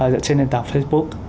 dựa trên nền tảng facebook